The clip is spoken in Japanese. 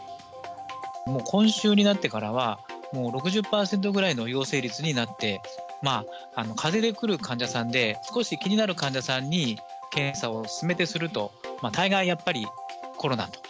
もう、今週になってからは、もう６０％ぐらいの陽性率になって、かぜで来る患者さんで、少し気になる患者さんに、検査を勧めてすると、大概やっぱりコロナと。